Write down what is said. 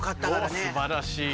すばらしい。